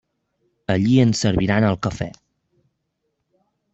Allí ens serviran el cafè.